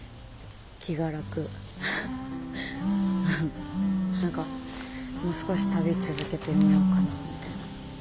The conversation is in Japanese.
何かもう少し旅続けてみようかなみたいな感じかな。